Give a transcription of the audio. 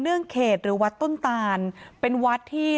อุ้มหลังอยู่ตรงนี้